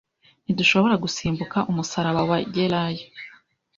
Ntidushobora gusimbuka umusaraba wa Geryon